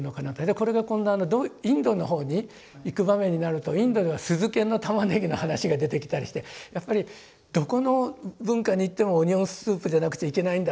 これが今度インドの方に行く場面になるとインドでは酢漬けの玉ねぎの話が出てきたりしてやっぱりどこの文化に行ってもオニオンスープじゃなくちゃいけないんだ